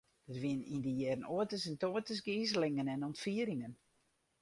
Der wiene yn dy jierren oates en toates gizelingen en ûntfieringen.